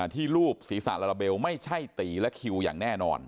ที่รูปสีสารระเบลไม่ใช่ตีและคิวอย่างแน่นอน